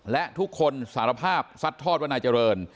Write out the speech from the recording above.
และทุกคนสารภาพซัทธอดวรรณเจริญ